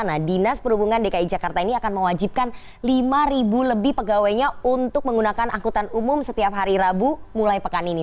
nah dinas perhubungan dki jakarta ini akan mewajibkan lima lebih pegawainya untuk menggunakan angkutan umum setiap hari rabu mulai pekan ini